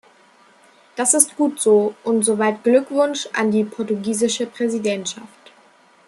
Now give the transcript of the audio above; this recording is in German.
Das ist gut so, und soweit Glückwunsch an die portugiesische Präsidentschaft!